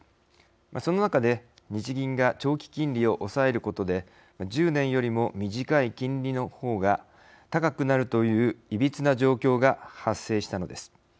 その中で日銀が長期金利を抑えることで１０年より短い金利の方が高くなるといういびつな状況が発生したのです。